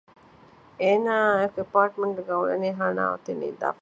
އޭނާ އާއި އެކު އެ އެޕާޓްމެންޓް ގައި އުޅޭ ހަނާ އޮތީ ނިދާފަ